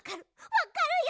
わかるよ